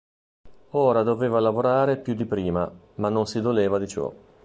Ora doveva lavorare più di prima, ma non si doleva di ciò.